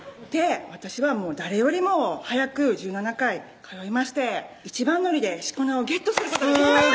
私は誰よりも早く１７回通いまして一番乗りで四股名をゲットすることができました！